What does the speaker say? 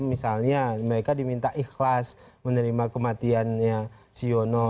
misalnya mereka diminta ikhlas menerima kematiannya siono